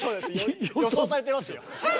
予想されてますよ。